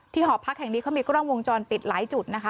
หอพักแห่งนี้เขามีกล้องวงจรปิดหลายจุดนะคะ